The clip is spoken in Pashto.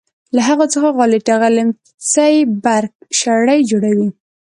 له هغو څخه غالۍ ټغرې لیمڅي برک شړۍ جوړوي.